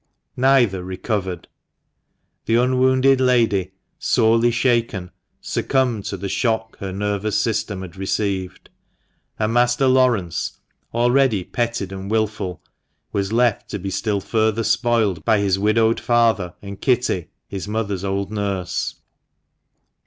Neither recovered. The unwounded lady, sorely shaken, succumbed to the shock her nervous system had received ; and Master Laurence, already petted and wilful, was left to be still further spoiled by his widowed father and Kitty, his mother's old nurse.